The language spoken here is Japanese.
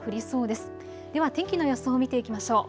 では天気の予想を見ていきましょう。